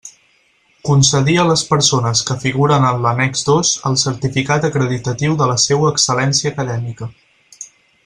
Concedir a les persones que figuren en l'annex dos el certificat acreditatiu de la seua excel·lència acadèmica.